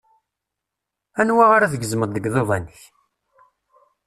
Anwa ar ad tgezmeḍ deg iḍudan-ik?